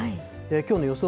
きょうの予想